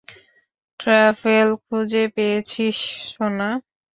Truffle খুঁজে পেয়েছিস, সোনা।